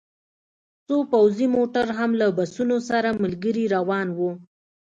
څو پوځي موټر هم له بسونو سره ملګري روان وو